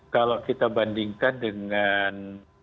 kalau kita bandingkan dengan